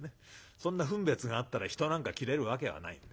そんな分別があったら人なんか斬れるわけはないんで。